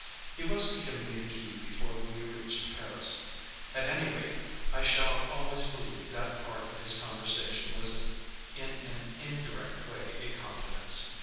He was to give me the key before we reached Paris. At any rate I shall always believe that part of his conversation was in an indirect way a confidence.